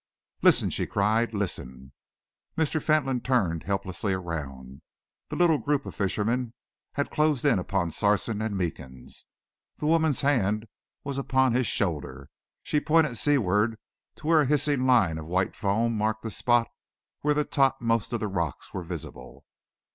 "Listen!" she cried. "Listen!" Mr. Fentolin turned helplessly around. The little group of fishermen had closed in upon Sarson and Meekins. The woman's hand was upon his shoulder; she pointed seaward to where a hissing line of white foam marked the spot where the topmost of the rocks were visible.